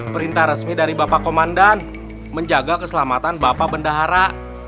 perintah resmi dari bapak komandan menjaga keselamatan bapak bendahara